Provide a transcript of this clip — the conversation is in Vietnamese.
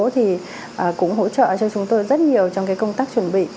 thì cũng hỗ trợ cho chúng tôi rất nhiều trong cái công tác chuẩn bị